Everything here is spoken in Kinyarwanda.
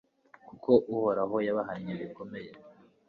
kuko uhoraho yabahannye bikomeye